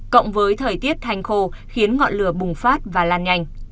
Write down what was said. cộng với thời tiết hành khô khiến ngọn lửa bùng phát và lan nhanh